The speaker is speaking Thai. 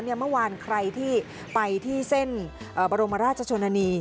เมื่อวานใครที่ไปที่เส้นบรมราชชนนานี